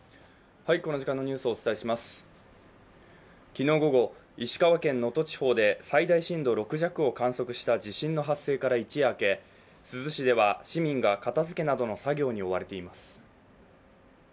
昨日午後、石川県能登地方で最大震度６弱を観測した地震の発生から一夜明け、珠洲市では市民が片づけなどの作業に追われています。